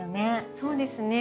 そうですね。